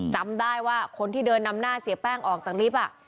จำได้ว่าคนที่เดินนำหน้าเสียแป้งออกจากลิฟต์